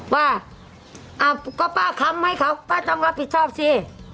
ป้าก็ป้าค้ำให้เขาป้าต้องรับผิดชอบสิ